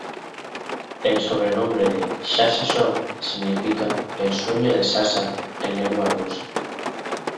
El sobrenombre de "Sasha Son" significa "El sueño de Sasha", en lengua rusa.